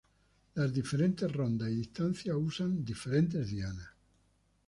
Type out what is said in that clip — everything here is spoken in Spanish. Las diferentes rondas y distancias usan diferentes dianas.